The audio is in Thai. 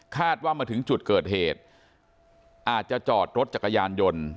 ว่ามาถึงจุดเกิดเหตุอาจจะจอดรถจักรยานยนต์